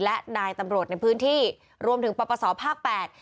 และนายตำลดในพื้นที่รวมถึงปรับประสอบภาคแปด